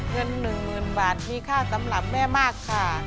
เงินหนึ่งหมื่นบาทมีค่าสำหรับแม่มากค่ะ